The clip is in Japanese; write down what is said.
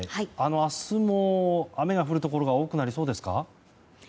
明日も雨が降るところが多くなりそうですか。